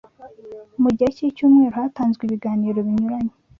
Mu gihe k’icyumweru hatanzwe ibiganiro binyuranye